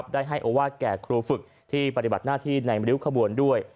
ได้ให้โอวาสแก่ครูฝึกที่ปฏิบัติหน้าที่ในริ้วขบวนด้วย